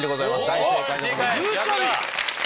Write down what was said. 大正解でございます。